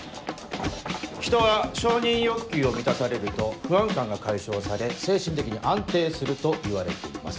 人は承認欲求を満たされると不安感が解消され精神的に安定するといわれています。